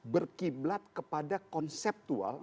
berkiblat kepada konseptual